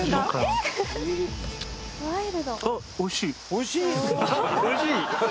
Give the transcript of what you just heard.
おいしい？